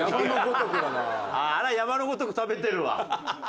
あああれは山のごとく食べてるわ。